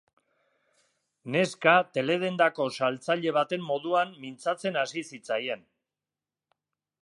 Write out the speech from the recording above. Neska teledendako saltzaile baten moduan mintzatzen hasi zitzaien.